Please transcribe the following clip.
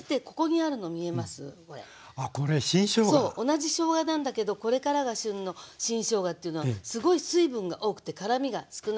同じしょうがなんだけどこれからが旬の新しょうがというのはすごい水分が多くて辛みが少ないのね。